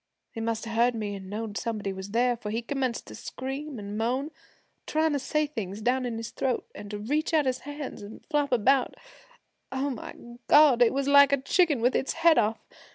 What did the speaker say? He must have heard me an' known somebody was there, for he commenced to scream an' moan, tryin' to say things down in his throat, an' to reach out his hands an' flop about O my God! It was like a chicken with its head off!